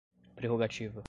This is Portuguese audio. prerrogativa